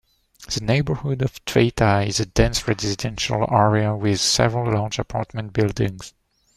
The neighborhood of Tveita is a dense residential area with several large apartment buildings.